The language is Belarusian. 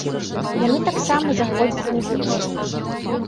Яны таксама заходзяць на жывот.